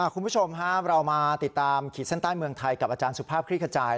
คุณผู้ชมครับเรามาติดตามขีดเส้นใต้เมืองไทยกับอาจารย์สุภาพคลิกขจาย